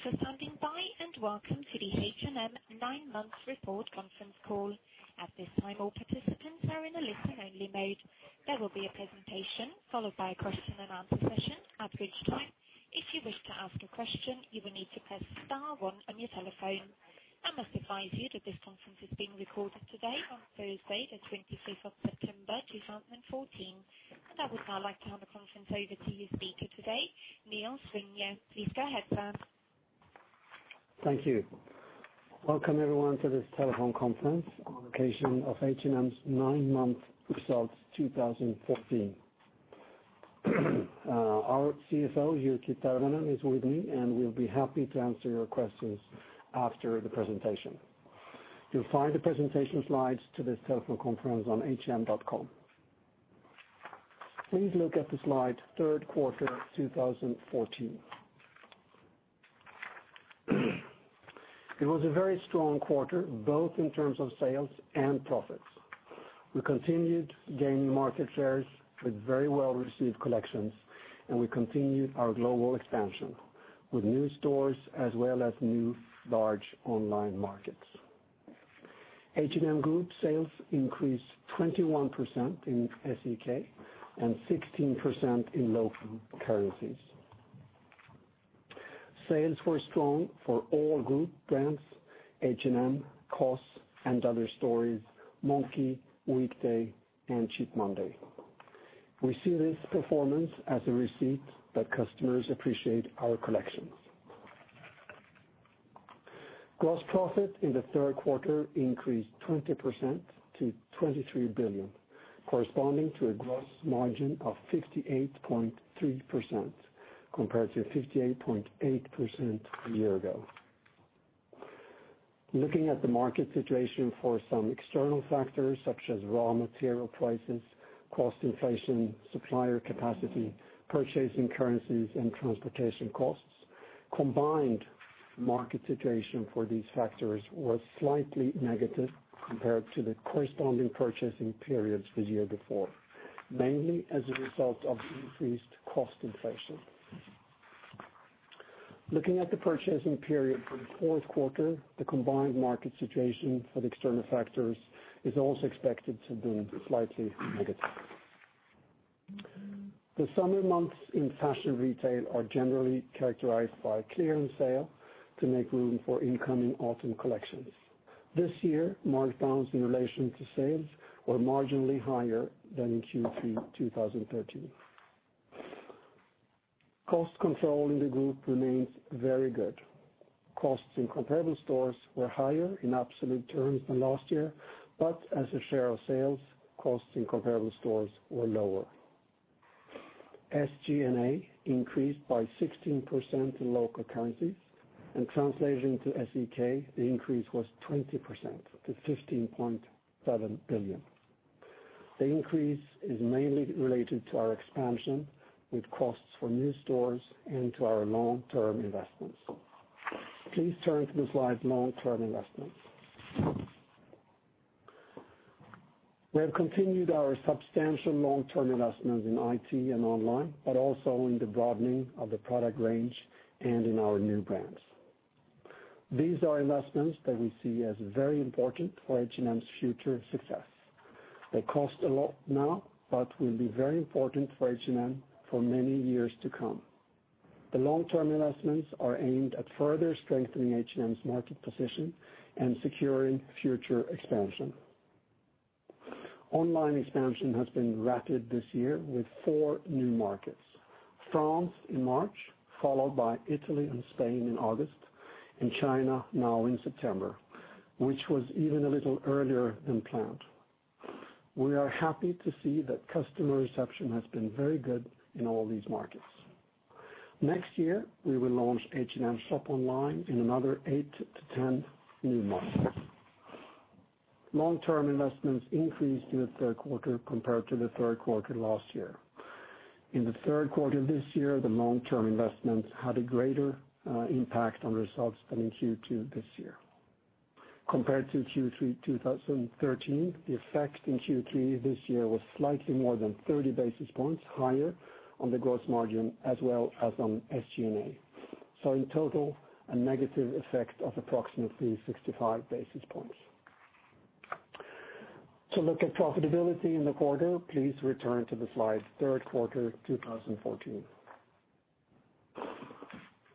Thank you for standing by, welcome to the H&M nine-month report conference call. At this time, all participants are in a listen-only mode. There will be a presentation followed by a question and answer session. At which time, if you wish to ask a question, you will need to press star one on your telephone. I must advise you that this conference is being recorded today on Thursday, the 25th of September, 2014. I would now like to hand the conference over to your speaker today, Nils Vinge. Please go ahead, sir. Thank you. Welcome everyone to this telephone conference on occasion of H&M's nine-month results 2014. Our CFO, Jyrki Tervonen, is with me, and we'll be happy to answer your questions after the presentation. You'll find the presentation slides to this telephone conference on hm.com. Please look at the slide, third quarter 2014. It was a very strong quarter, both in terms of sales and profits. We continued gaining market shares with very well-received collections, and we continued our global expansion with new stores as well as new large online markets. H&M Group sales increased 21% in SEK and 16% in local currencies. Sales were strong for all group brands H&M, COS, & Other Stories, Monki, Weekday, and Cheap Monday. We see this performance as a receipt that customers appreciate our collections. Gross profit in the third quarter increased 20% to 23 billion, corresponding to a gross margin of 58.3% compared to 58.8% a year ago. Looking at the market situation for some external factors such as raw material prices, cost inflation, supplier capacity, purchasing currencies, and transportation costs, combined market situation for these factors was slightly negative compared to the corresponding purchasing periods the year before, mainly as a result of increased cost inflation. Looking at the purchasing period for the fourth quarter, the combined market situation for the external factors is also expected to be slightly negative. The summer months in fashion retail are generally characterized by clearance sale to make room for incoming autumn collections. This year, markdowns in relation to sales were marginally higher than in Q3 2013. Cost control in the group remains very good. Costs in comparable stores were higher in absolute terms than last year, as a share of sales, costs in comparable stores were lower. SG&A increased by 16% in local currencies, translating to SEK, the increase was 20% to 15.7 billion. The increase is mainly related to our expansion, with costs for new stores and to our long-term investments. Please turn to the slide Long-term investments. We have continued our substantial long-term investments in IT and online, but also in the broadening of the product range and in our new brands. These are investments that we see as very important for H&M's future success. They cost a lot now but will be very important for H&M for many years to come. The long-term investments are aimed at further strengthening H&M's market position and securing future expansion. Online expansion has been rapid this year with four new markets. France in March, followed by Italy and Spain in August, and China now in September, which was even a little earlier than planned. We are happy to see that customer reception has been very good in all these markets. Next year, we will launch H&M shop online in another 8 to 10 new markets. Long-term investments increased in the third quarter compared to the third quarter last year. In the third quarter of this year, the long-term investments had a greater impact on results than in Q2 this year. Compared to Q3 2013, the effect in Q3 this year was slightly more than 30 basis points higher on the gross margin as well as on SG&A. In total, a negative effect of approximately 65 basis points. To look at profitability in the quarter, please return to the slide Third Quarter 2014.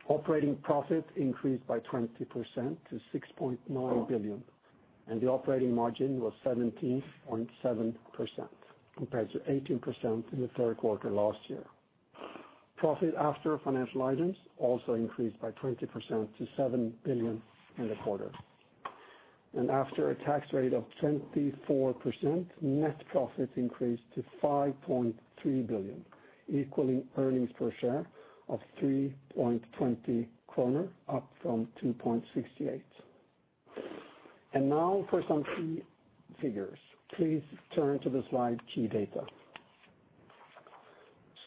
Operating profit increased by 20% to 6.9 billion, and the operating margin was 17.7% compared to 18% in the third quarter last year. Profit after financial items also increased by 20% to 7 billion in the quarter. After a tax rate of 24%, net profit increased to 5.3 billion, equaling earnings per share of 3.20 kronor, up from 2.68. Now for some key figures. Please turn to the slide Key Data.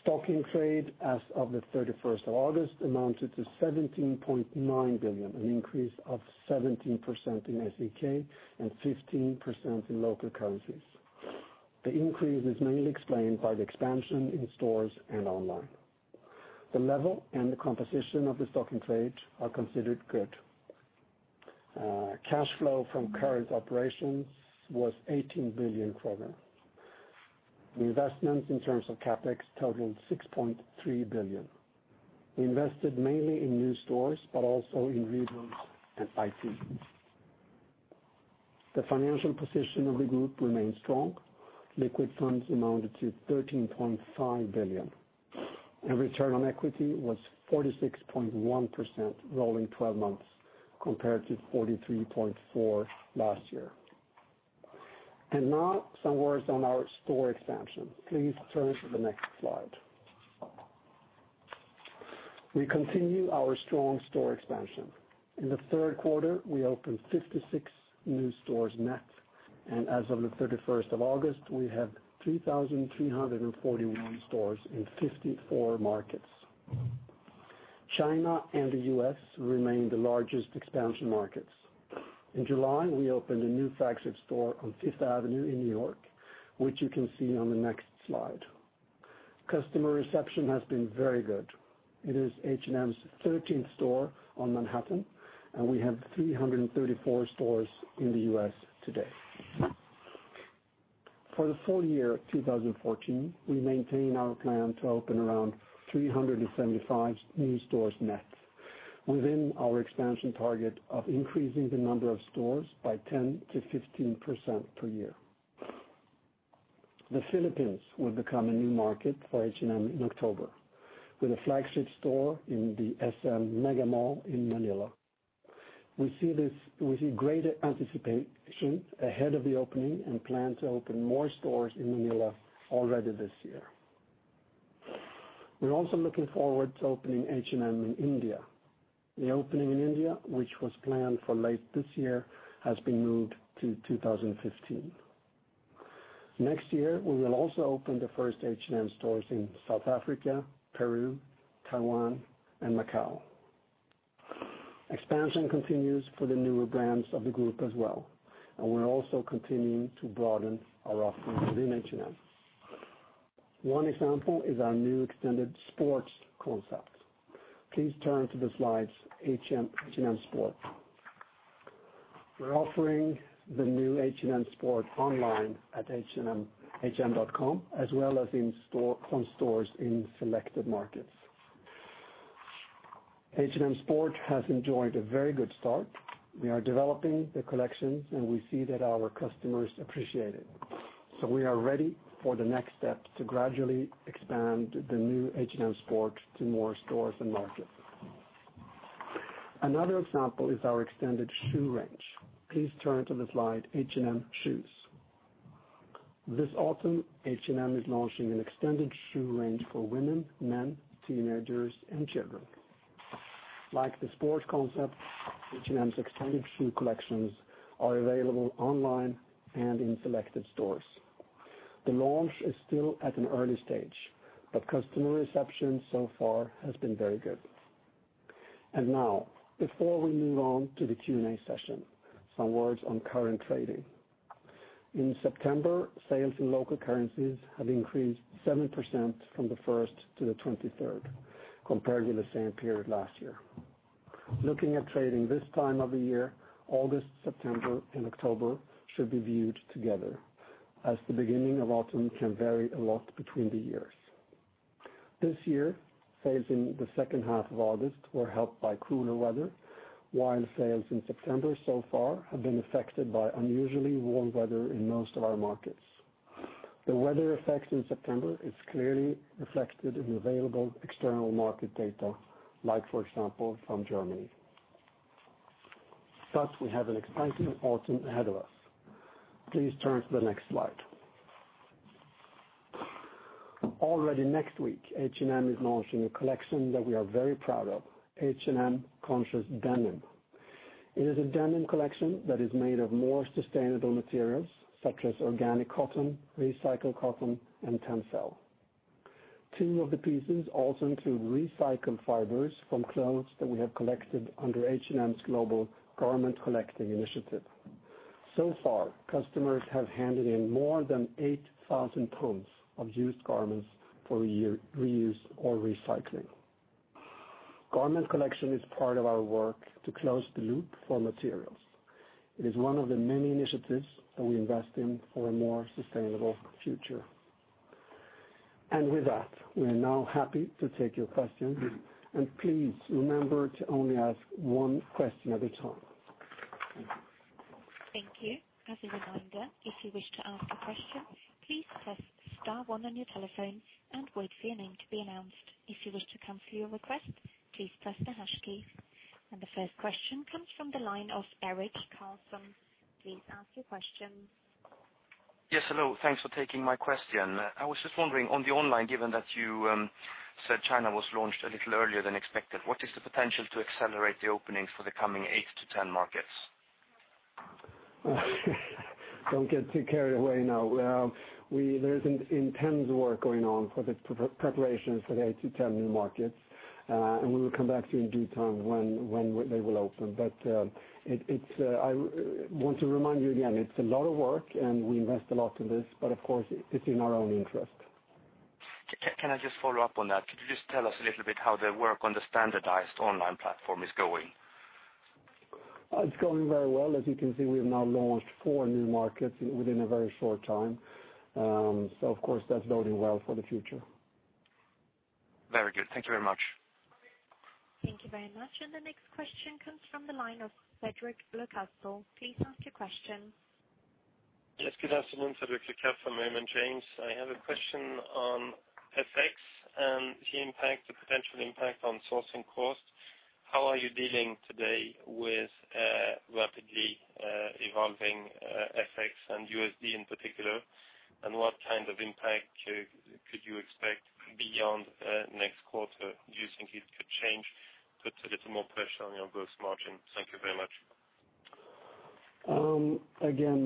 Stock in trade as of the 31st of August amounted to 17.9 billion, an increase of 17% in SEK and 15% in local currencies. The increase is mainly explained by the expansion in stores and online. The level and the composition of the stock and trade are considered good. Cash flow from current operations was 18 billion kronor. The investment in terms of CapEx totaled 6.3 billion. We invested mainly in new stores, but also in rebuilds and IT. The financial position of the group remains strong. Liquid funds amounted to 13.5 billion, and return on equity was 46.1% rolling 12 months compared to 43.4% last year. Now some words on our store expansion. Please turn to the next slide. We continue our strong store expansion. In the third quarter, we opened 56 new stores net, and as of the 31st of August, we have 3,341 stores in 54 markets. China and the U.S. remain the largest expansion markets. In July, we opened a new flagship store on Fifth Avenue in New York, which you can see on the next slide. Customer reception has been very good. It is H&M's 13th store on Manhattan, and we have 334 stores in the U.S. today. For the full year 2014, we maintain our plan to open around 375 new stores net within our expansion target of increasing the number of stores by 10%-15% per year. The Philippines will become a new market for H&M in October with a flagship store in the SM Megamall in Manila. We see greater anticipation ahead of the opening and plan to open more stores in Manila already this year. We're also looking forward to opening H&M in India. The opening in India, which was planned for late this year, has been moved to 2015. Next year, we will also open the first H&M stores in South Africa, Peru, Taiwan, and Macau. Expansion continues for the newer brands of the group as well, and we're also continuing to broaden our offering within H&M. One example is our new extended sports concept. Please turn to the slides, H&M Sport. We are offering the new H&M Sport online at hm.com, as well as in stores in selected markets. H&M Sport has enjoyed a very good start. We are developing the collections, and we see that our customers appreciate it. We are ready for the next step to gradually expand the new H&M Sport to more stores and markets. Another example is our extended shoe range. Please turn to the slide H&M Shoes. This autumn, H&M is launching an extended shoe range for women, men, teenagers, and children. Like the sports concept, H&M's extended shoe collections are available online and in selected stores. The launch is still at an early stage, but customer reception so far has been very good. Now, before we move on to the Q&A session, some words on current trading. In September, sales in local currencies have increased 7% from the 1st to the 23rd, compared with the same period last year. Looking at trading this time of the year, August, September, and October should be viewed together as the beginning of autumn can vary a lot between the years. This year, sales in the second half of August were helped by cooler weather, while sales in September so far have been affected by unusually warm weather in most of our markets. The weather effect in September is clearly reflected in the available external market data like, for example, from Germany. We have an exciting autumn ahead of us. Please turn to the next slide. Already next week, H&M is launching a collection that we are very proud of, H&M Conscious Denim. It is a denim collection that is made of more sustainable materials, such as organic cotton, recycled cotton, and Tencel. Two of the pieces also include recycled fibers from clothes that we have collected under H&M's global garment collecting initiative. So far, customers have handed in more than 8,000 tons of used garments for reuse or recycling. Garment collection is part of our work to close the loop for materials. It is one of the many initiatives that we invest in for a more sustainable future. With that, we are now happy to take your questions, and please remember to only ask one question at a time. Thank you. Thank you. As a reminder, if you wish to ask a question, please press star one on your telephone and wait for your name to be announced. If you wish to cancel your request, please press the hash key. The first question comes from the line of Eric Sheridan. Please ask your question. Yes, hello. Thanks for taking my question. I was just wondering on the online, given that you said China was launched a little earlier than expected, what is the potential to accelerate the openings for the coming eight to 10 markets? Don't get too carried away now. There's intense work going on for the preparations for the eight to 10 new markets. We will come back to you in due time when they will open. I want to remind you again, it's a lot of work, and we invest a lot in this, but of course, it's in our own interest. Can I just follow up on that? Could you just tell us a little bit how the work on the standardized online platform is going? It's going very well. As you can see, we have now launched four new markets within a very short time. Of course, that's boding well for the future. Very good. Thank you very much. Thank you very much. The next question comes from the line of Frédérique Le Rest. Please ask your question. Yes. Good afternoon, Frédérique Le Rest from Morgan Stanley. I have a question on FX and the potential impact on sourcing costs. How are you dealing today with rapidly evolving FX and USD in particular? What kind of impact could you expect beyond next quarter? Do you think it could change, put a little more pressure on your gross margin? Thank you very much.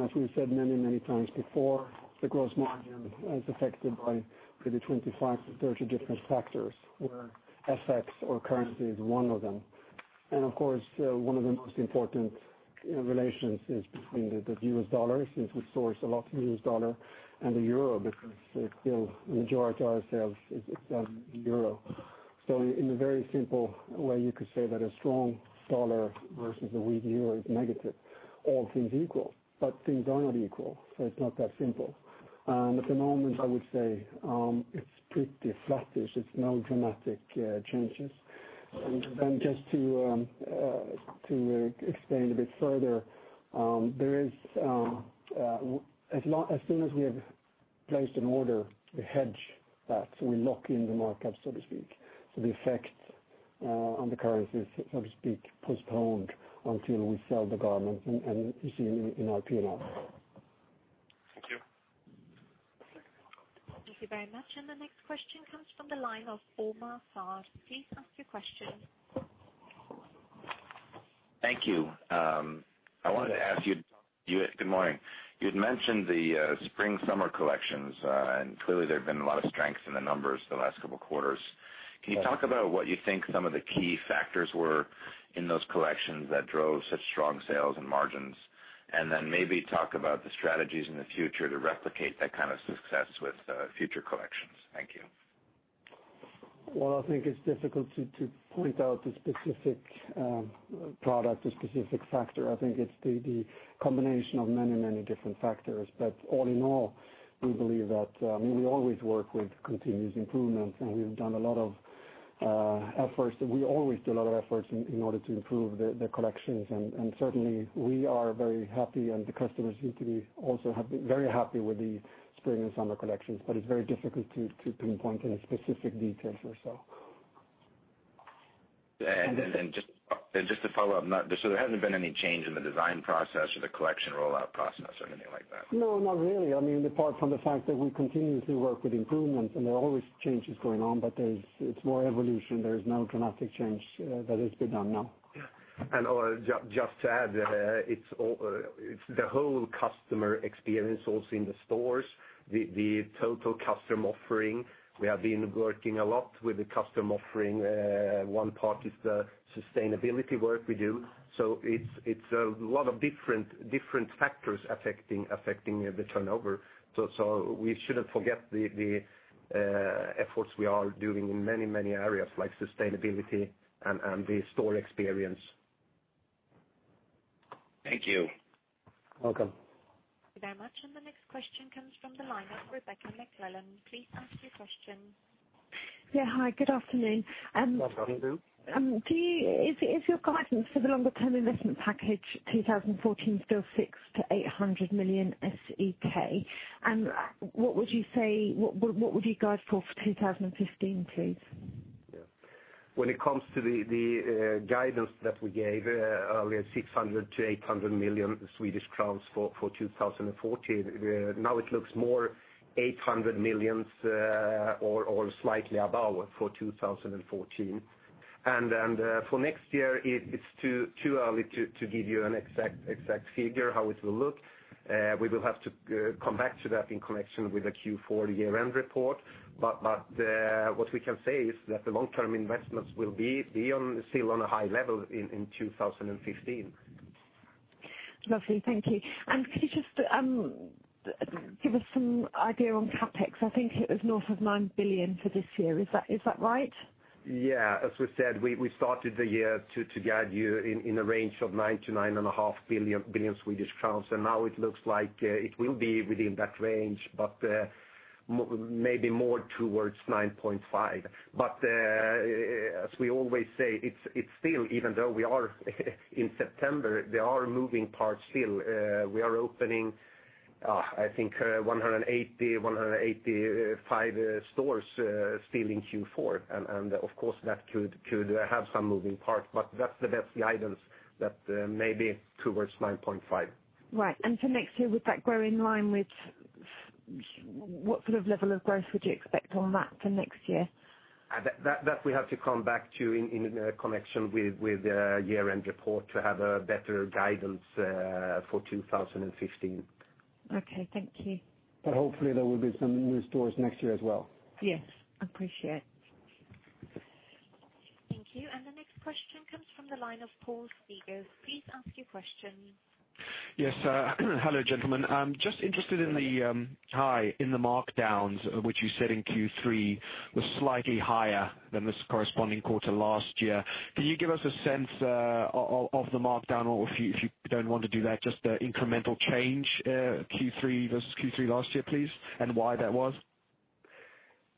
As we've said many times before, the gross margin is affected by maybe 25-30 different factors, where FX or currency is one of them. Of course, one of the most important relations is between the US dollar, since we source a lot in US dollar and the euro, because still majority of our sales is done in euro. In a very simple way, you could say that a strong dollar versus a weak euro is negative, all things equal. Things are not equal, so it's not that simple. At the moment, I would say, it's pretty flattish. It's no dramatic changes. Just to explain a bit further, as soon as we have placed an order, we hedge that. We lock in the markup, so to speak. The effect on the currency is, so to speak, postponed until we sell the garment and you see it in our P&L. Thank you. Thank you very much. The next question comes from the line of Omar Saad. Please ask your question. Thank you. Good morning. You had mentioned the spring-summer collections, clearly there have been a lot of strength in the numbers the last couple of quarters. Yes. Can you talk about what you think some of the key factors were in those collections that drove such strong sales and margins, then maybe talk about the strategies in the future to replicate that kind of success with future collections? Thank you. Well, I think it's difficult to point out a specific product, a specific factor. I think it's the combination of many different factors. All in all, we believe that, we always work with continuous improvements, and we've done a lot of efforts. We always do a lot of efforts in order to improve the collections. Certainly, we are very happy, and the customers seem to be also very happy with the spring and summer collections, but it's very difficult to pinpoint any specific details or so. Just to follow up, there hasn't been any change in the design process or the collection rollout process or anything like that? No, not really. Apart from the fact that we continue to work with improvements, and there are always changes going on, but it's more evolution. There is no dramatic change that has been done, no. Omar, just to add, it's the whole customer experience also in the stores, the total customer offering. We have been working a lot with the customer offering. One part is the sustainability work we do. It's a lot of different factors affecting the turnover, so we shouldn't forget the efforts we are doing in many areas like sustainability and the store experience. Thank you. Welcome. Thank you very much. The next question comes from the line of Rebecca McClellan. Please ask your question. Hi, good afternoon. Good afternoon. Is your guidance for the longer-term investment package 2014 still 600 million to 800 million SEK? What would you guide for 2015, please? When it comes to the guidance that we gave earlier, 600 million to 800 million Swedish crowns for 2014, now it looks more 800 million or slightly above for 2014. For next year, it is too early to give you an exact figure how it will look. We will have to come back to that in connection with the Q4 year-end report. What we can say is that the long-term investments will be still on a high level in 2015. Lovely. Thank you. Could you just give us some idea on CapEx? I think it was north of 9 billion for this year. Is that right? As we said, we started the year to guide you in a range of 9 billion-9.5 billion Swedish crowns, and now it looks like it will be within that range, but maybe more towards 9.5 billion. As we always say, it is still, even though we are in September, there are moving parts still. We are opening I think 180, 185 stores still in Q4. Of course, that could have some moving parts, but that is the guidance that may be towards 9.5 billion. Right. For next year, would that grow in line with? What sort of level of growth would you expect on that for next year? That we have to come back to in connection with the year-end report to have a better guidance for 2015. Okay. Thank you. Hopefully there will be some new stores next year as well. Yes. Appreciate. Thank you. The next question comes from the line of Paul Steeg. Please ask your question. Yes. Hello, gentlemen. Just interested in the markdowns, which you said in Q3 was slightly higher than this corresponding quarter last year. Can you give us a sense of the markdown or if you don't want to do that, just the incremental change, Q3 versus Q3 last year, please? Why that was?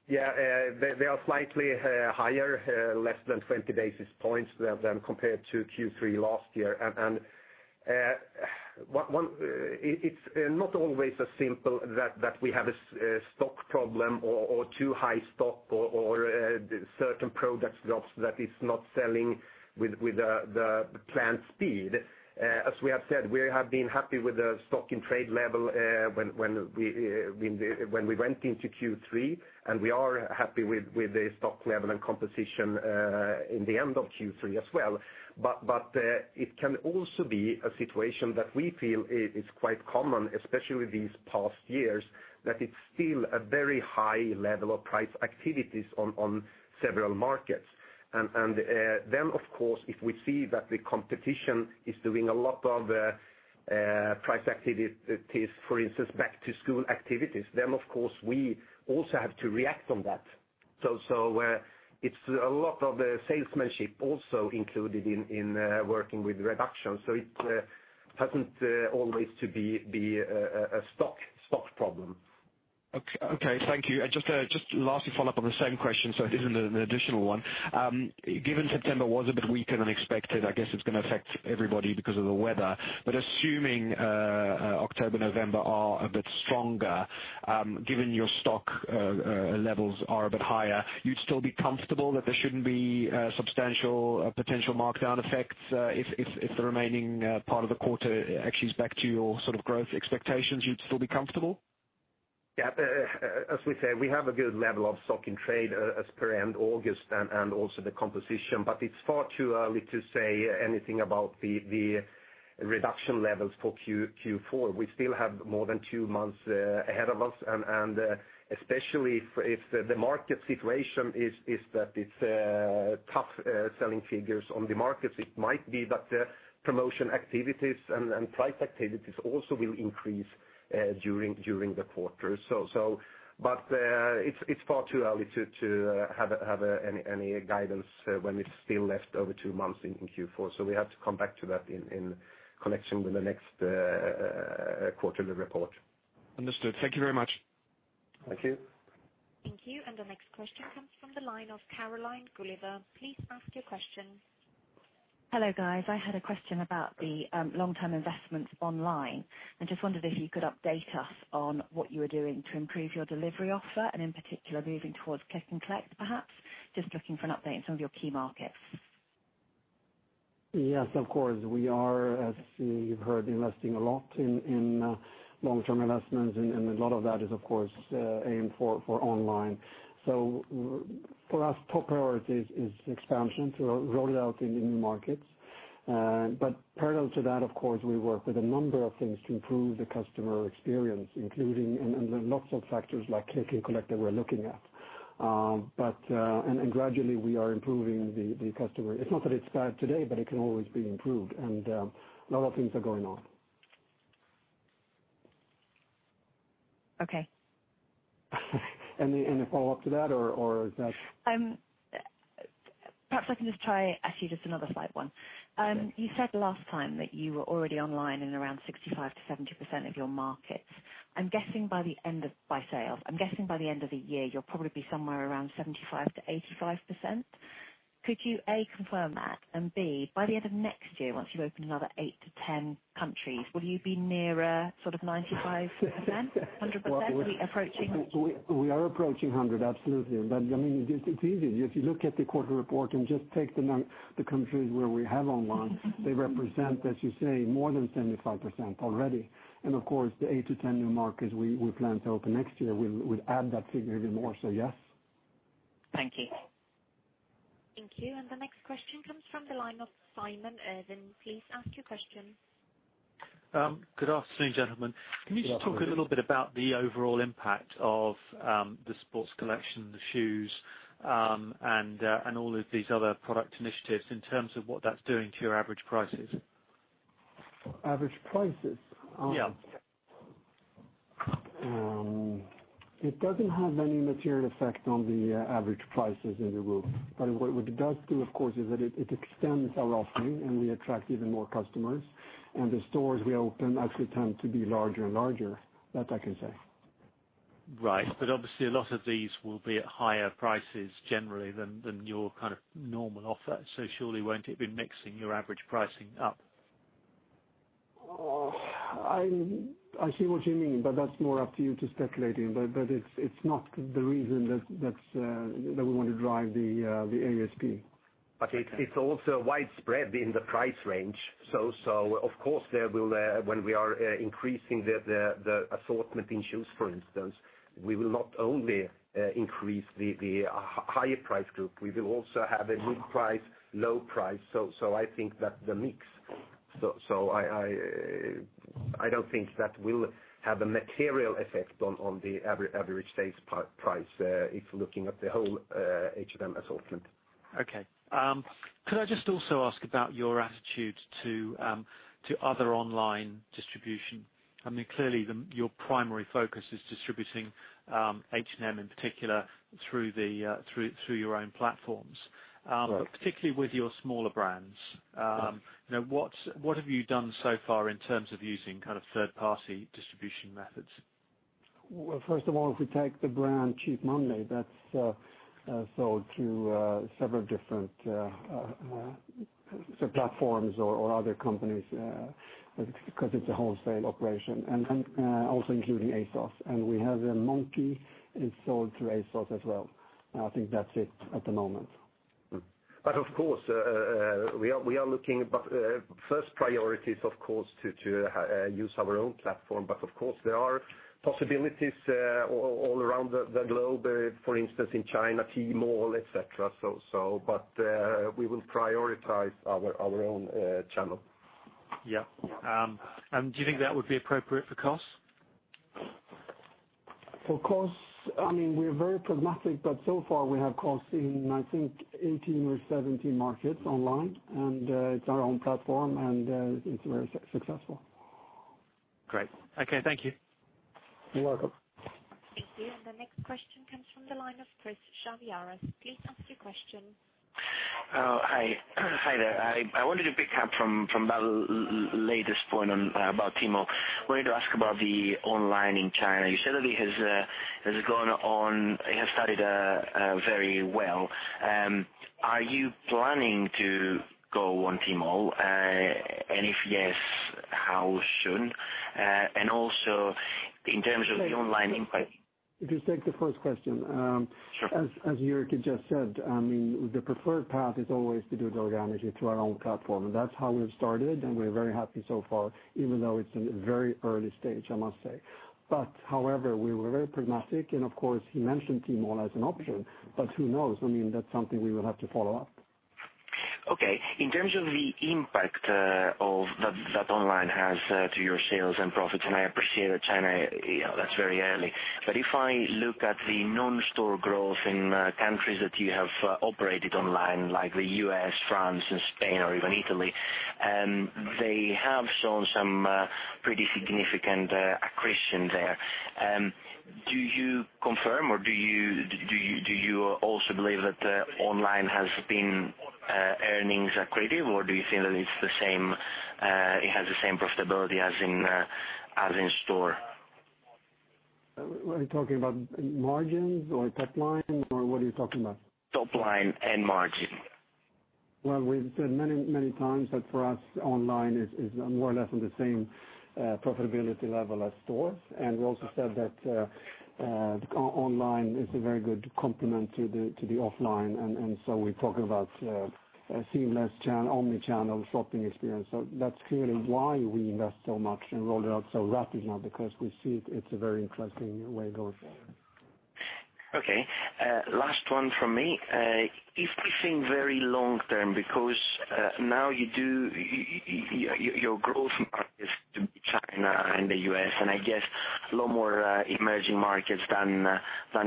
Yeah. They are slightly higher, less than 20 basis points compared to Q3 last year. It's not always as simple that we have a stock problem or too high stock or certain products that is not selling with the planned speed. As we have said, we have been happy with the stock and trade level when we went into Q3. We are happy with the stock level and composition in the end of Q3 as well. It can also be a situation that we feel is quite common, especially these past years, that it's still a very high level of price activities on several markets. Of course, if we see that the competition is doing a lot of price activities, for instance, back to school activities, of course, we also have to react on that. It's a lot of salesmanship also included in working with reduction. It doesn't always to be a stock problem. Okay. Thank you. Just lastly, follow up on the same question, it isn't an additional one. Given September was a bit weaker than expected, I guess it's going to affect everybody because of the weather. Assuming October, November are a bit stronger, given your stock levels are a bit higher, you'd still be comfortable that there shouldn't be substantial potential markdown effects, if the remaining part of the quarter actually is back to your sort of growth expectations, you'd still be comfortable? Yeah. As we said, we have a good level of stock and trade as per end August and also the composition. It's far too early to say anything about the reduction levels for Q4. We still have more than two months ahead of us. Especially if the market situation is that it's tough selling figures on the markets, it might be that promotion activities and price activities also will increase during the quarter. It's far too early to have any guidance when it's still left over two months in Q4. We have to come back to that in connection with the next quarterly report. Understood. Thank you very much. Thank you. Thank you. The next question comes from the line of Caroline Gulliver. Please ask your question. Hello, guys. I had a question about the long-term investments online. I just wondered if you could update us on what you were doing to improve your delivery offer and in particular moving towards click and collect, perhaps? Just looking for an update on some of your key markets. Yes, of course we are, as you've heard, investing a lot in long-term investments and a lot of that is, of course, aimed for online. For us, top priority is expansion to roll out in new markets. Parallel to that, of course, we work with a number of things to improve the customer experience, including, and there are lots of factors like click and collect that we're looking at. Gradually we are improving the customer. It's not that it's bad today, but it can always be improved, and a lot of things are going on. Okay. Any follow-up to that or is that Perhaps I can just try ask you just another side one. Okay. You said last time that you were already online in around 65%-70% of your markets. I'm guessing by sales. I'm guessing by the end of the year you'll probably be somewhere around 75%-85%. Could you, A, confirm that, and B, by the end of next year, once you've opened another eight to 10 countries, will you be nearer sort of 95%-100%? Will be approaching? We are approaching 100, absolutely. It's easy. If you look at the quarter report and just take the countries where we have online- They represent, as you say, more than 75% already. Of course, the eight to 10 new markets we plan to open next year will add that figure even more. Yes. Thank you. Thank you. The next question comes from the line of Simon Irwin. Please ask your question. Good afternoon, gentlemen. Good afternoon. Can you just talk a little bit about the overall impact of the sports collection, the shoes, and all of these other product initiatives in terms of what that's doing to your average prices? Average prices? Yeah. It doesn't have any material effect on the average prices in the group. What it does do, of course, is that it extends our offering and we attract even more customers, and the stores we open actually tend to be larger and larger. That I can say. Right. Obviously a lot of these will be at higher prices generally than your kind of normal offer. Surely won't it be mixing your average pricing up? I see what you mean, that's more up to you to speculating. It's not the reason that we want to drive the ASP. It's also widespread in the price range. Of course there will, when we are increasing the assortment in shoes for instance, we will not only increase the higher price group, we will also have a good price, low price. I think that the mix, I don't think that will have a material effect on the average sales price if looking at the whole H&M assortment. Okay. Could I just also ask about your attitude to other online distribution? Clearly, your primary focus is distributing H&M in particular through your own platforms. Right. Particularly with your smaller brands. Yeah What have you done so far in terms of using third-party distribution methods? Well, first of all, if we take the brand Cheap Monday, that's sold through several different platforms or other companies, because it's a wholesale operation, and then also including ASOS. We have Monki is sold through ASOS as well. I think that's it at the moment. Of course, we are looking, but first priority is, of course, to use our own platform. Of course, there are possibilities all around the globe, for instance, in China, Tmall, et cetera. We will prioritize our own channel. Yeah. Do you think that would be appropriate for COS? For COS, we're very pragmatic, so far we have COS in, I think, 18 or 17 markets online, and it's our own platform, and it's very successful. Great. Okay. Thank you. You're welcome. Thank you. The next question comes from the line of Christodoulos Chaviaras. Please ask your question. Hi there. I wanted to pick up from that latest point about Tmall. Wanted to ask about the online in China. You said that it has started very well. Are you planning to go on Tmall? If yes, how soon? Also in terms of the online impact If you take the first question. Sure. As Jyrki just said, the preferred path is always to do it organically through our own platform. That's how we've started, and we're very happy so far, even though it's in a very early stage, I must say. However, we were very pragmatic, and of course, he mentioned Tmall as an option, who knows? That's something we will have to follow up. Okay. I appreciate that China, that's very early. If I look at the non-store growth in countries that you have operated online, like the U.S., France, and Spain, or even Italy, they have shown some pretty significant accretion there. Do you confirm or do you also believe that online has been earnings accretive, or do you feel that it has the same profitability as in store? Are you talking about margins or top line, or what are you talking about? Top line and margin. Well, we've said many times that for us, online is more or less on the same profitability level as stores. We also said that online is a very good complement to the offline, we talk about a seamless omnichannel shopping experience. That's clearly why we invest so much and roll it out so rapidly now, because we see it's a very interesting way going. Okay. Last one from me. If we think very long-term, because now your growth market is to be China and the U.S., and I guess a lot more emerging markets than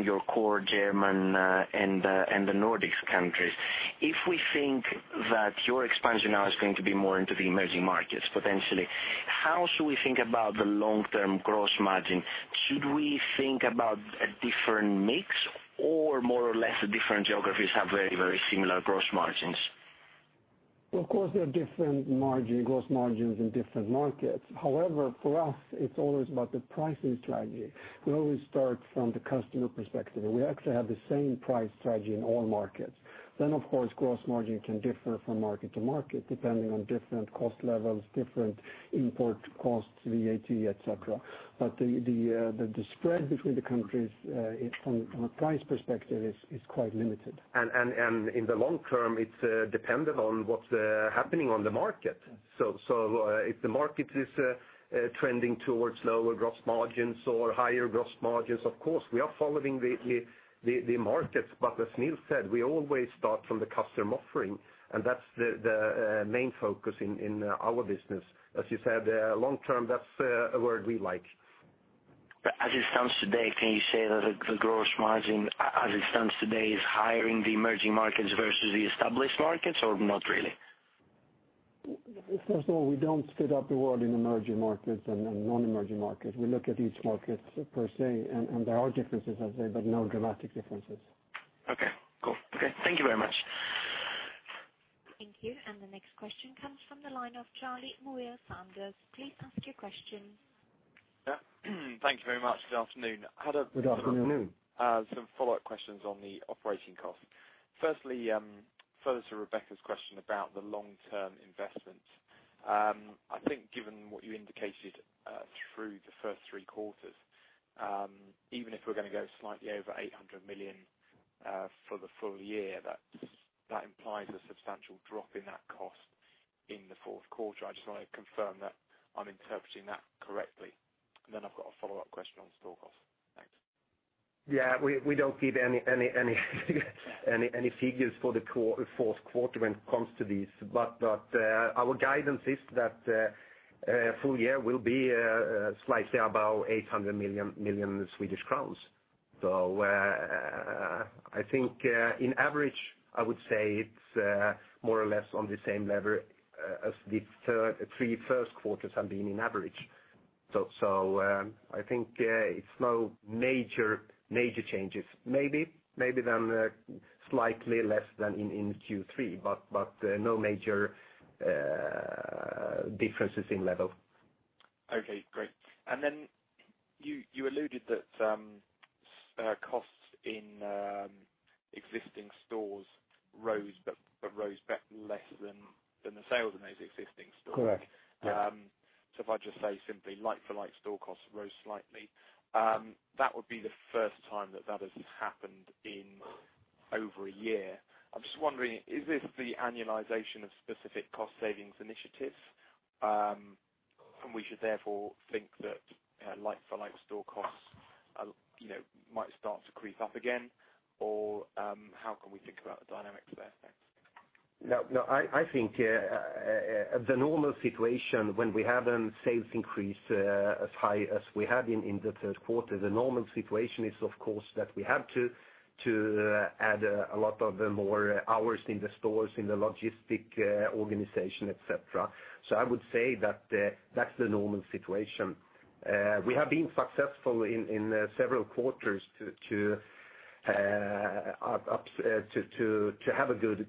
your core German and the Nordics countries. If we think that your expansion now is going to be more into the emerging markets, potentially, how should we think about the long-term gross margin? Should we think about a different mix or more or less the different geographies have very similar gross margins? Of course, there are different gross margins in different markets. However, for us, it's always about the pricing strategy. We always start from the customer perspective, we actually have the same price strategy in all markets. Of course, gross margin can differ from market to market, depending on different cost levels, different import costs, VAT, et cetera. The spread between the countries, from a price perspective, is quite limited. In the long term, it's dependent on what's happening on the market. If the market is trending towards lower gross margins or higher gross margins, of course, we are following the markets. As Nils said, we always start from the customer offering, that's the main focus in our business. As you said, long term, that's a word we like. Can you say that the gross margin, as it stands today, is higher in the emerging markets versus the established markets, or not really? First of all, we don't split up the world in emerging markets and non-emerging markets. We look at each market per se, and there are differences, I'd say, but no dramatic differences. Okay. Cool. Okay. Thank you very much. Thank you. The next question comes from the line of Charlie Muir-Sands. Please ask your question. Yeah. Thank you very much. Good afternoon. Good afternoon. Had some follow-up questions on the operating cost. Firstly, further to Rebecca's question about the long-term investment. I think given what you indicated through the first three quarters, even if we're going to go slightly over 800 million for the full year, that implies a substantial drop in that cost in the fourth quarter. I just want to confirm that I'm interpreting that correctly. I've got a follow-up question on store costs. Yeah, we don't give any figures for the fourth quarter when it comes to this. Our guidance is that full year will be slightly above 800 million Swedish crowns. I think in average, I would say it's more or less on the same level as the three first quarters have been on average. I think it's no major changes. Maybe then slightly less than in Q3, no major differences in level. Okay, great. You alluded that costs in existing stores rose but rose less than the sales in those existing stores. Correct. Yeah. If I just say simply like-for-like store costs rose slightly. That would be the first time that has happened in over a year. I'm just wondering, is this the annualization of specific cost savings initiatives? We should therefore think that like-for-like store costs might start to creep up again? How can we think about the dynamics there? Thanks. No. I think the normal situation when we have a sales increase as high as we had in the third quarter, the normal situation is, of course, that we have to add a lot more hours in the stores, in the logistic organization, et cetera. I would say that that's the normal situation. We have been successful in several quarters to have a good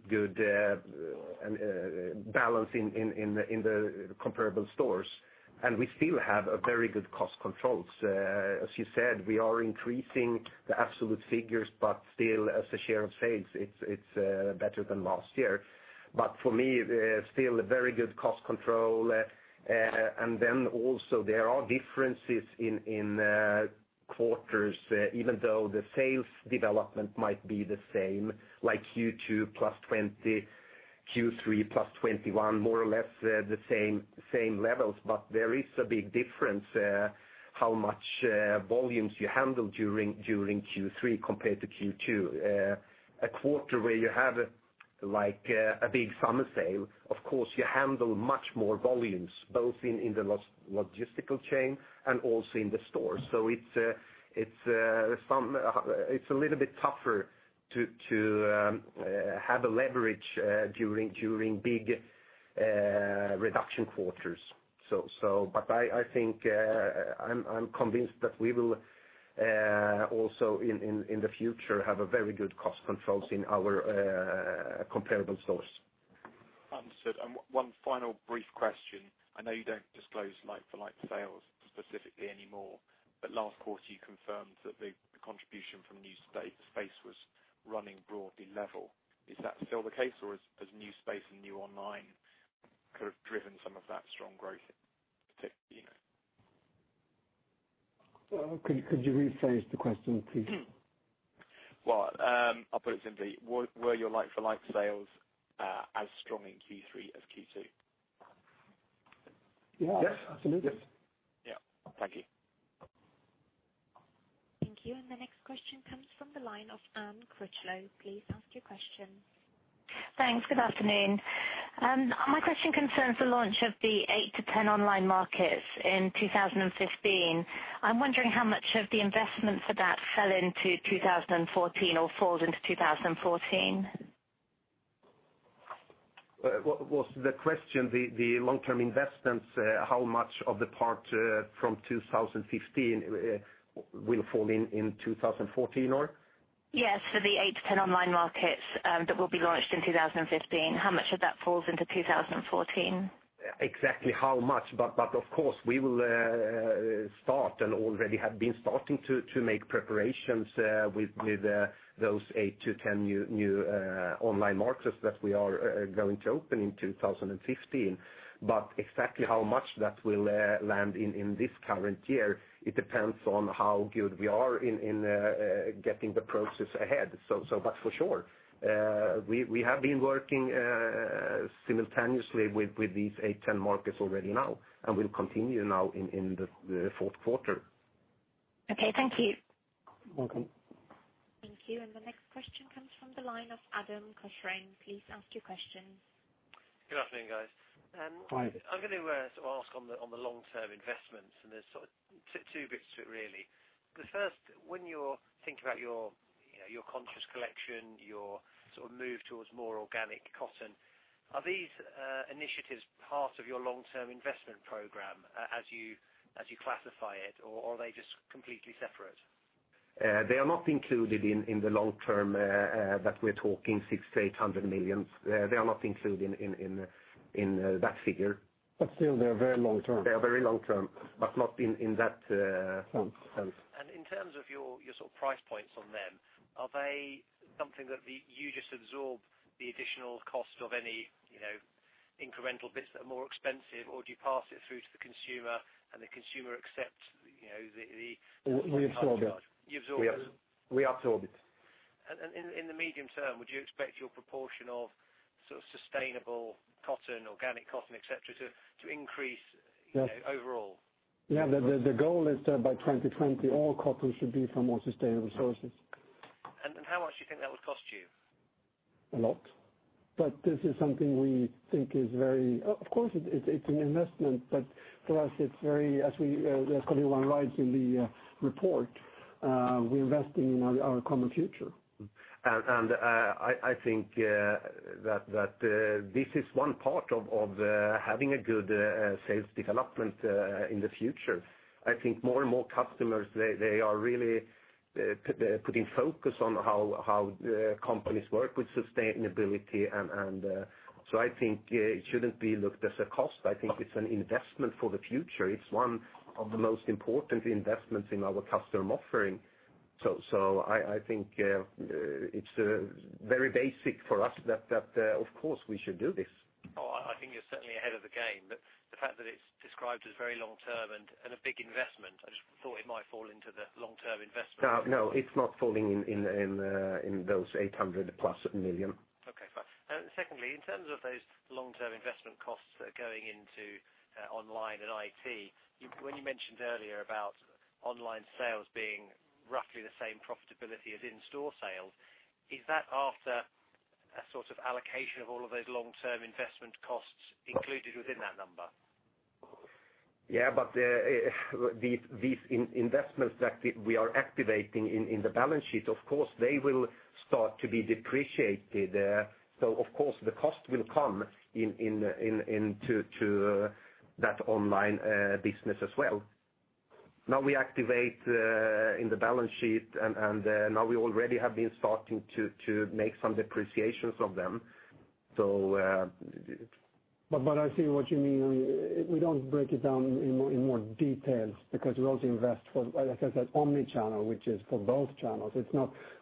balance in the comparable stores, and we still have a very good cost control. As you said, we are increasing the absolute figures, but still, as a share of sales, it's better than last year. For me, still a very good cost control. Also there are differences in quarters, even though the sales development might be the same, like Q2 +20%, Q3 +21%, more or less the same levels, but there is a big difference how much volumes you handle during Q3 compared to Q2. A quarter where you have a big summer sale, of course, you handle much more volumes, both in the logistical chain and also in the stores. It's a little bit tougher to have a leverage during big reduction quarters. I'm convinced that we will also, in the future, have a very good cost control in our comparable stores. Understood. One final brief question. I know you don't disclose like-for-like sales specifically anymore, but last quarter you confirmed that the contribution from new space was running broadly level. Is that still the case, or has new space and new online could have driven some of that strong growth particularly? Could you rephrase the question, please? Well, I'll put it simply. Were your like-for-like sales as strong in Q3 as Q2? Yes. Yes. Absolutely. Yeah. Thank you. Thank you. The next question comes from the line of Anne Critchlow. Please ask your question. Thanks. Good afternoon. My question concerns the launch of the eight to 10 online markets in 2015. I'm wondering how much of the investment for that fell into 2014 or falls into 2014. Was the question the long-term investments, how much of the part from 2015 will fall in 2014, or? Yes, for the 8-10 online markets that will be launched in 2015. How much of that falls into 2014? Exactly how much, of course we will start and already have been starting to make preparations with those 8-10 new online markets that we are going to open in 2015. Exactly how much that will land in this current year, it depends on how good we are in getting the process ahead. For sure, we have been working simultaneously with these 8-10 markets already now, and will continue now in the fourth quarter. Okay. Thank you. Welcome. Thank you. The next question comes from the line of Adam Cochrane. Please ask your question. Good afternoon, guys. Hi. I'm going to ask on the long-term investments, and there's two bits to it really. The first, when you're thinking about your conscious collection, your move towards more organic cotton, are these initiatives part of your long-term investment program as you classify it, or are they just completely separate? They are not included in the long term that we're talking, 600 million-800 million. They are not included in that figure. Still they are very long term. They are very long term, but not in that sense. In terms of your price points on them, are they something that you just absorb the additional cost of any incremental bits that are more expensive, or do you pass it through to the consumer and the consumer accepts the higher charge? We absorb it. You absorb it? We absorb it. In the medium term, would you expect your proportion of sustainable cotton, organic cotton, et cetera, to increase overall? Yeah. The goal is that by 2020, all cotton should be from more sustainable sources. How much do you think that would cost you? A lot. This is something we think is an investment, but for us, as Karl-Johan writes in the report, we invest in our common future. I think that this is one part of having a good sales development in the future. I think more and more customers, they are really putting focus on how companies work with sustainability. I think it shouldn't be looked as a cost. I think it's an investment for the future. It's one of the most important investments in our custom offering. I think it's very basic for us that, of course, we should do this. I think you're certainly ahead of the game. The fact that it's described as very long-term and a big investment, I just thought it might fall into the long-term investment. No, it's not falling in those 800+ million. Okay, thanks. Secondly, in terms of those long-term investment costs that are going into online and IT, when you mentioned earlier about online sales being roughly the same profitability as in-store sales, is that after a sort of allocation of all of those long-term investment costs included within that number? Yeah, these investments that we are activating in the balance sheet, of course, they will start to be depreciated. Of course, the cost will come into that online business as well. Now we activate in the balance sheet, now we already have been starting to make some depreciations from them. I see what you mean. We don't break it down in more details because we also invest for, like I said, omnichannel, which is for both channels.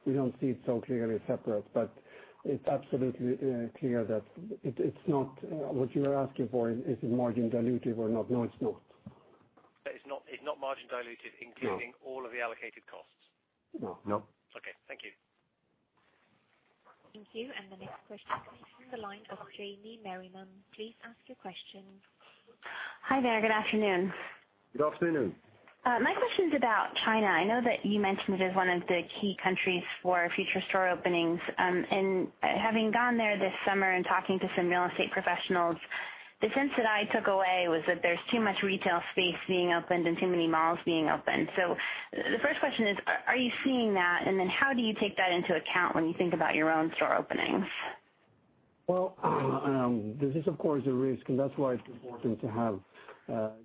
We don't see it so clearly separate, but it's absolutely clear that it's not what you are asking for. Is it margin dilutive or not? No, it's not. It's not margin dilutive including- No all of the allocated costs? No. No. Okay. Thank you. Thank you. The next question comes from the line of Jamie Merriman. Please ask your question. Hi there. Good afternoon. Good afternoon. My question is about China. I know that you mentioned it as one of the key countries for future store openings. Having gone there this summer and talking to some real estate professionals, the sense that I took away was that there's too much retail space being opened and too many malls being opened. The first question is, are you seeing that? How do you take that into account when you think about your own store openings? Well, this is, of course, a risk, and that's why it's important to have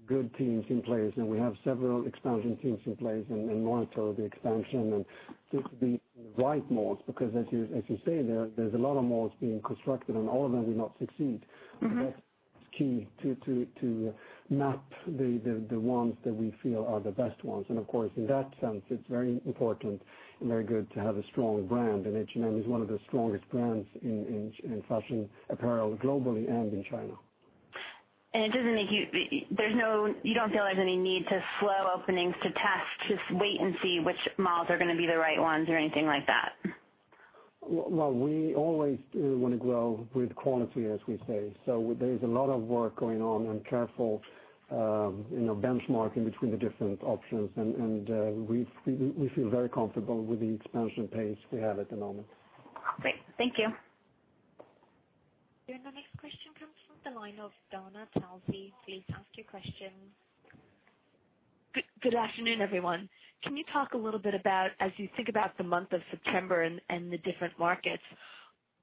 good teams in place. We have several expansion teams in place and monitor the expansion and stick to the right malls, because as you say, there's a lot of malls being constructed, and all of them will not succeed. That's key to map the ones that we feel are the best ones. Of course, in that sense, it's very important and very good to have a strong brand, and H&M is one of the strongest brands in fashion apparel globally and in China. You don't feel there's any need to slow openings to test, just wait and see which malls are going to be the right ones or anything like that? Well, we always want to grow with quality, as we say. There is a lot of work going on and careful benchmarking between the different options. We feel very comfortable with the expansion pace we have at the moment. Great. Thank you. The next question comes from the line of Dana Telsey. Please ask your question. Good afternoon, everyone. Can you talk a little bit about, as you think about the month of September and the different markets,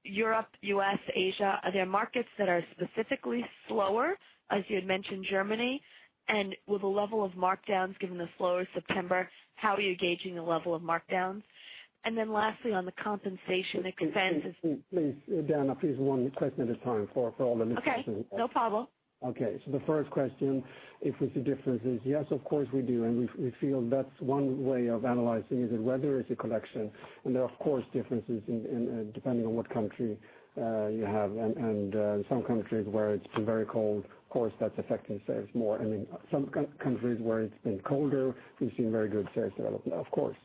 Europe, U.S., Asia, are there markets that are specifically slower, as you had mentioned Germany? With the level of markdowns given the slower September, how are you gauging the level of markdowns? Lastly, on the compensation expense Please, Dana, please one question at a time for all the listeners. Okay. No problem. Okay. The first question, if we see differences, yes, of course, we do. We feel that's one way of analyzing is whether it's a collection. There are, of course, differences depending on what country you have, and some countries where it's been very cold, of course, that's affecting sales more. I mean, some countries where it's been colder, we've seen very good sales development, of course.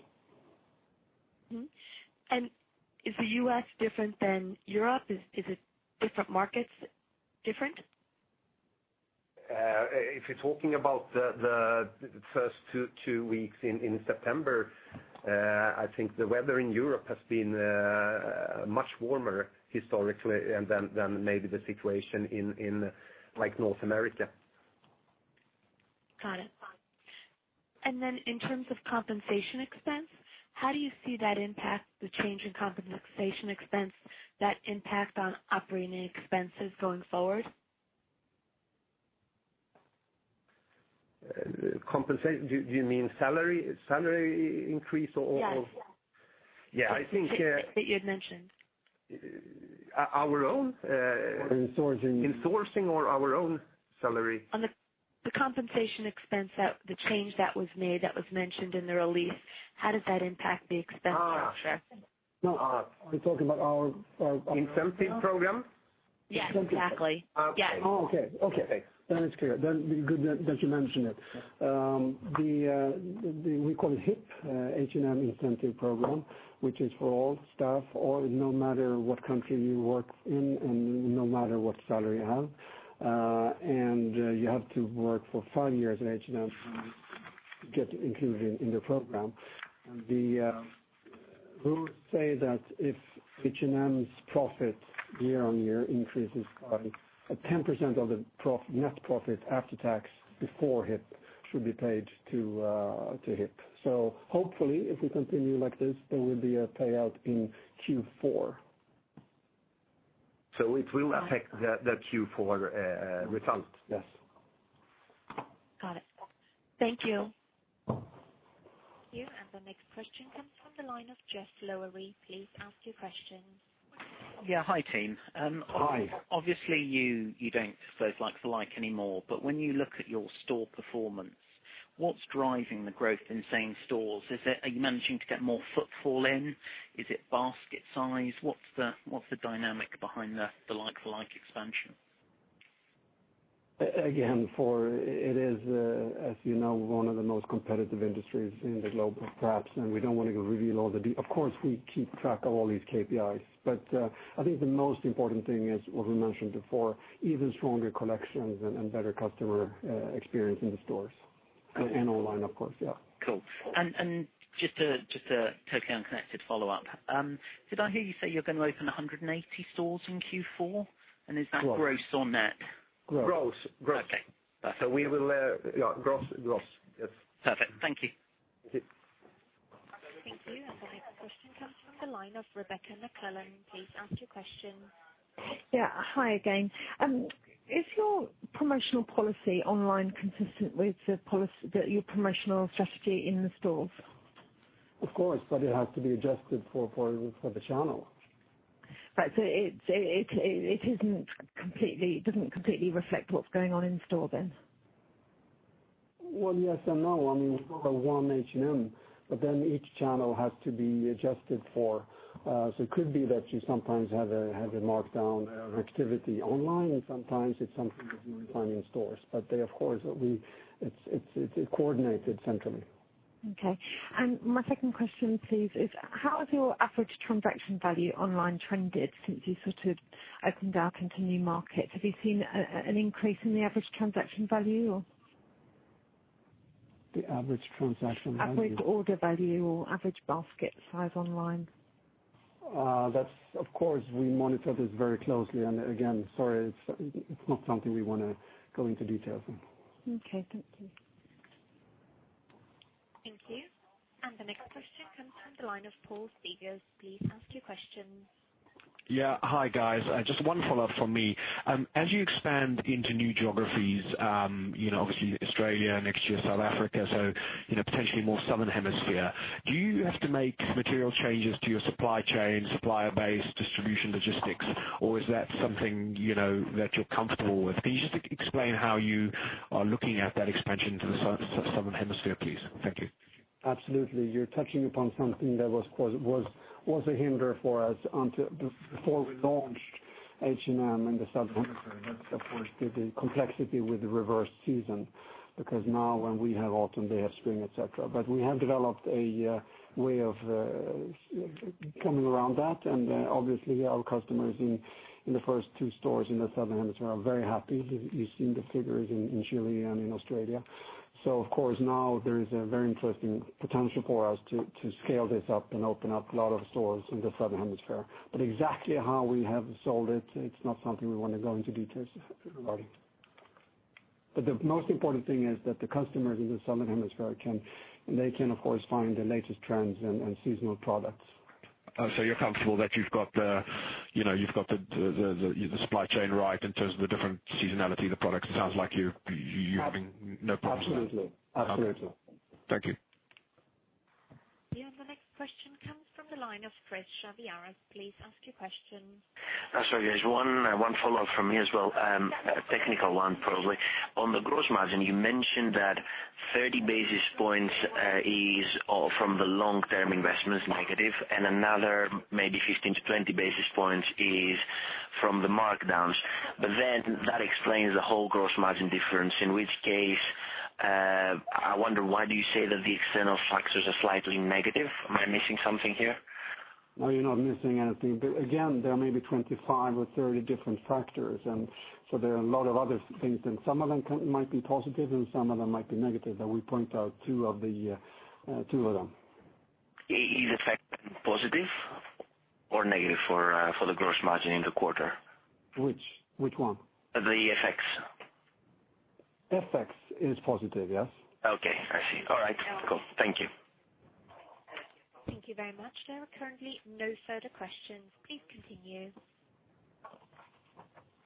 Is the U.S. different than Europe? Is it different markets different? If you're talking about the first two weeks in September, I think the weather in Europe has been much warmer historically than maybe the situation in North America. Got it. In terms of compensation expense, how do you see that impact the change in compensation expense, that impact on operating expenses going forward? Compensation, do you mean salary increase or? Yes. Yeah, I think. That you had mentioned. Our own? In sourcing. In sourcing or our own salary? On the compensation expense, the change that was made, that was mentioned in the release, how does that impact the expense structure? Are you talking about? Incentive program? Yes, exactly. Yes. Okay. Okay. It's clear. Good that you mentioned it. We call it HIP, H&M Incentive Program, which is for all staff, all, no matter what country you work in and no matter what salary you have. You have to work for five years at H&M to get included in the program. The rules say that if H&M's profit year-on-year increases by 10% of the net profit after tax, before HIP should be paid to HIP. Hopefully, if we continue like this, there will be a payout in Q4. It will affect the Q4 result? Yes. Got it. Thank you. Thank you. The next question comes from the line of Jessica Lowery. Please ask your question. Yeah. Hi, team. Hi. Obviously, you don't do those like for like anymore, but when you look at your store performance, what's driving the growth in same stores? Are you managing to get more footfall in? Is it basket size? What's the dynamic behind the like-for-like expansion? It is, as you know, one of the most competitive industries in the globe, perhaps. We don't want to reveal. Of course, we keep track of all these KPIs. I think the most important thing is what we mentioned before, even stronger collections and better customer experience in the stores. Okay. Online, of course. Yeah. Cool. Just a totally unconnected follow-up. Did I hear you say you're going to open 180 stores in Q4? Is that. Gross. Is that gross or net? Gross. Gross. Okay. We will, gross. Perfect. Thank you. Thank you. Thank you. The next question comes from the line of Rebecca McClellan. Please ask your question. Yeah. Hi again. Is your promotional policy online consistent with your promotional strategy in the stores? Of course, it has to be adjusted for the channel. Right. It doesn't completely reflect what's going on in store then? Well, yes and no. We call it one H&M, but then each channel has to be adjusted for. It could be that you sometimes have a markdown or activity online, and sometimes it's something that you would find in stores. They, of course, it's coordinated centrally. Okay. My second question please is, how has your average transaction value online trended since you sort of opened up into new markets? Have you seen an increase in the average transaction value, or? The average transaction value? Average order value or average basket size online? Of course, we monitor this very closely. Again, sorry, it's not something we want to go into details in. Okay, thank you. Thank you. The next question comes from the line of Paul Biggs. Please ask your question. Yeah. Hi, guys. Just one follow-up from me. As you expand into new geographies, obviously Australia, next year South Africa, potentially more southern hemisphere, do you have to make material changes to your supply chain, supplier base, distribution logistics, or is that something that you are comfortable with? Can you just explain how you are looking at that expansion to the southern hemisphere, please? Thank you. Absolutely. You're touching upon something that was a hinder for us before we launched H&M in the southern hemisphere. That, of course, the complexity with the reverse season, because now when we have autumn, they have spring, et cetera. We have developed a way of coming around that, and obviously our customers in the first two stores in the southern hemisphere are very happy. You've seen the figures in Chile and in Australia. Of course, now there is a very interesting potential for us to scale this up and open up a lot of stores in the southern hemisphere. Exactly how we have solved it's not something we want to go into details regarding. The most important thing is that the customers in the southern hemisphere, they can of course find the latest trends and seasonal products. You're comfortable that you've got the supply chain right in terms of the different seasonality of the products? It sounds like you're having no problems there. Absolutely. Okay. Thank you. Yeah. The next question comes from the line of Christodoulos Chaviaras. Please ask your question. Sorry, guys. One follow-up from me as well. A technical one, probably. On the gross margin, you mentioned that 30 basis points is from the long-term investments negative, and another maybe 15 to 20 basis points is from the markdowns. That explains the whole gross margin difference, in which case, I wonder why do you say that the external factors are slightly negative? Am I missing something here? No, you're not missing anything. Again, there may be 25 or 30 different factors, and so there are a lot of other things, and some of them might be positive and some of them might be negative, but we point out two of them. Is FX positive or negative for the gross margin in the quarter? Which one? The FX. FX is positive, yes. Okay. I see. All right, cool. Thank you. Thank you very much. There are currently no further questions. Please continue.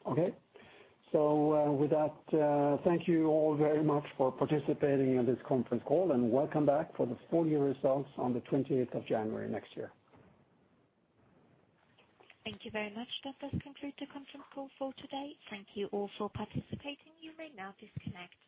Okay. With that, thank you all very much for participating in this conference call, and welcome back for the full year results on the 20th of January next year. Thank you very much. That does conclude the conference call for today. Thank you all for participating. You may now disconnect.